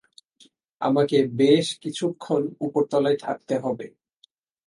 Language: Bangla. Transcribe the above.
আমাকে বেশ কিছুক্ষণ উপরতলায় থাকতে হবে।